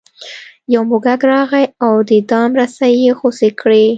یو موږک راغی او د دام رسۍ یې غوڅې کړې.